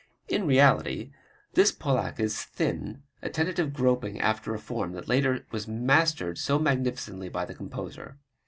In reality this polacca is thin, a tentative groping after a form that later was mastered so magnificently by the composer.